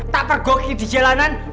tak tergoki di jalanan